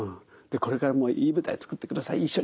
「これからもいい舞台作って下さい。